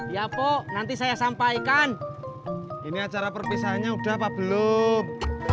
ya pok nanti saya sampaikan ini acara perpisahannya udah apa belum